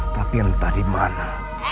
tapi entah di mana